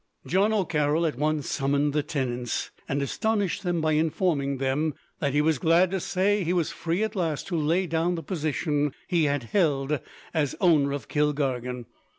John O'Carroll at once summoned the tenants, and astonished them by informing them that, he was glad to say, he was free at last to lay down the position he had held as owner of Kilkargan.